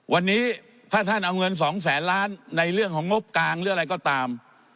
วันนี้ถ้าท่านเอาเงิน๒แสนล้านในเรื่องของงบกลางหรืออะไรก็ตาม